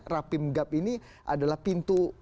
rapim gap ini adalah pintu